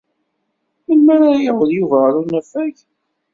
Melmi ara yaweḍ Yuba ɣer unafag?